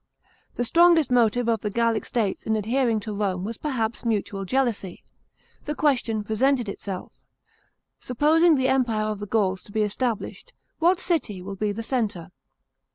The strongest motive of the Gallic states in adhering to Rome was perhaps mutual jealousy. The question presented itself: supposing the empire of the Gauls to be established, what city will be the centre?